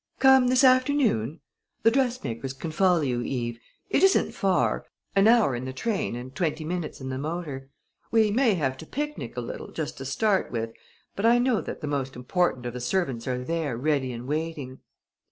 Come this afternoon! The dressmakers can follow you, Eve. It isn't far an hour in the train and twenty minutes in the motor. We may have to picnic a little just to start with, but I know that the most important of the servants are there, ready and waiting."